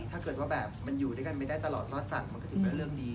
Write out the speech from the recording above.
ถ้าเกิดว่าแบบมันอยู่ด้วยกันไม่ได้ตลอดรอดฝั่งมันก็ถือว่าเป็นเรื่องดี